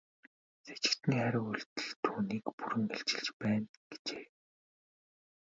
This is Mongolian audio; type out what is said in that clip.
Сэжигтний хариу үйлдэл түүнийг бүрэн илчилж байна гэжээ.